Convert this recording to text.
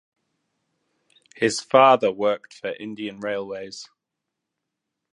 His father worked for Indian Railways.